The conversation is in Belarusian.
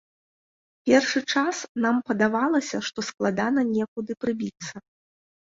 Першы час нам падавалася, што складана некуды прыбіцца.